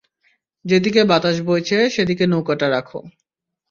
যেদিকে বাতাস বইছে, সেদিকে নৌকাটা রাখো।